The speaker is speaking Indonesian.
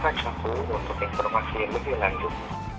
tekan satu untuk informasi lebih lanjut